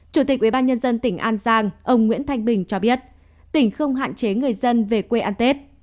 chủ tịch ubnd tỉnh an giang ông nguyễn thanh bình cho biết tỉnh không hạn chế người dân về quê ăn tết